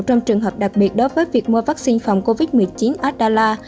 trong trường hợp đặc biệt đó với việc mua vaccine phòng covid một mươi chín abdala